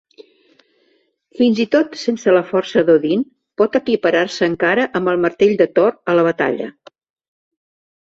Fins i tot sense la força d'Odin, pot equiparar-se encara amb el martell de Thor a la batalla.